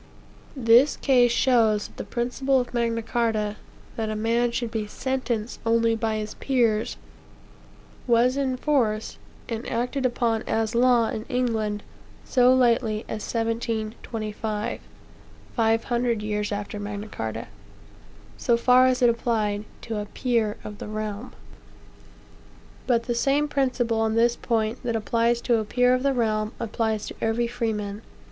This case shows that the principle of Magna Carta, that a man should be sentenced only by his peers, was in force, and acted upon as law, in England, so lately as 1725, (five hundred years after Magna Carta,) so far as it applied to a peer of the realm, a severe punishment," ect., ect. But the same principle, on this point, that applies to a peer of the realm, applies to every freeman.